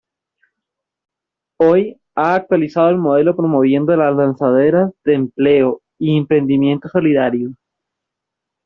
Hoy, ha actualizado el modelo promoviendo las Lanzaderas de Empleo y Emprendimiento Solidario.